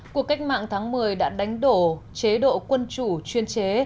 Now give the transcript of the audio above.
cuộc cách mạng tháng một mươi đã đánh đổ chế độ quân chủ chuyên chế